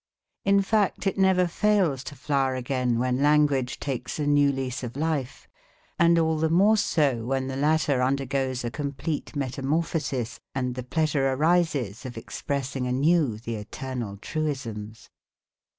In fact it never fails to flower again when language takes a new lease of life, and all the more so when the latter undergoes a complete metamorphosis, and the pleasure arises of expressing anew the eternal truisms.